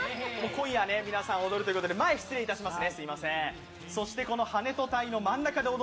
今夜皆さん踊るということで前、失礼いたします。